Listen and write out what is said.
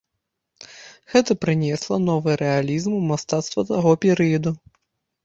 Гэта прынесла новы рэалізм у мастацтва таго перыяду.